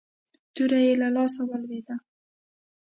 توره يې له لاسه ولوېده.